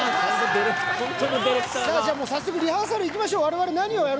じゃあ、早速リハーサルやりましょう。